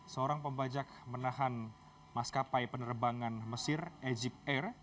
seorang pembajak menahan maskapai penerbangan mesir ejip air